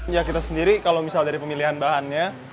ya kita sendiri kalau misal dari pemilihan bahannya